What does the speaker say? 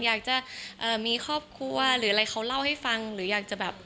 อยากจะเอ่อมีครอบครัวหรืออะไรเขาเล่าให้ฟังหรืออยากจะแบบ